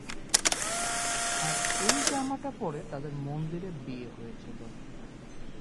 আর এই জামাটা পরে তাদের মন্দিরে বিয়ে হয়েছিলো।